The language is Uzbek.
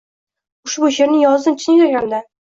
Ushbu sherni yozdim chin yuragimdan